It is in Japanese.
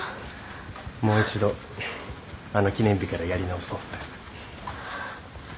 もう一度あの記念日からやり直そうって。